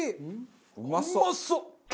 うまそう！